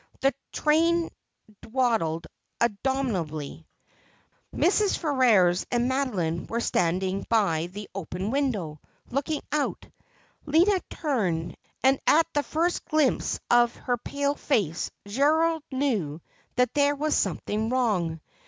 The train dawdled abominably.' Mrs. Ferrers and Madeline were standing by the open window, looking out. Lina turned, and at the first glimpse of her pale face Gerald knew that there was something wrong.